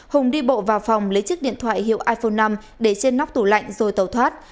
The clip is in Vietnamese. hùng đi bộ vào phòng lấy chiếc điện thoại hiệu iphone năm để trên nóc tủ lạnh rồi tàu thoát